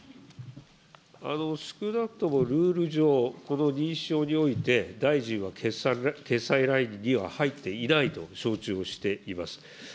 少なくともルール上、この認証において、大臣は決裁ラインには入っていないと承知をしています。